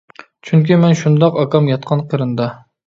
چۈنكى مەن شۇنداق، ئاكام ياتقان قېرىندا.